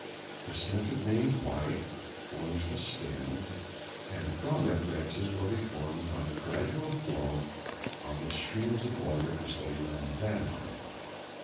The centre being white forms the stem, and from it branches will be formed by the gradual flow of the streams of water as they run down.